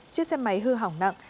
chiếc xe máy hư hỏng nặng